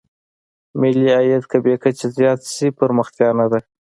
ملي عاید که بې کچې زیات شي پرمختیا نه ده.